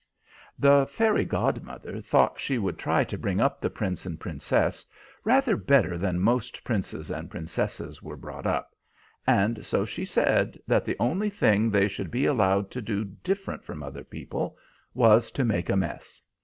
"The fairy godmother thought she would try to bring up the Prince and Princess rather better than most Princes and Princesses were brought up, and so she said that the only thing they should be allowed to do different from other people was to make a mess.